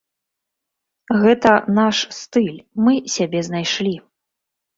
Гэта наш стыль, мы сябе знайшлі.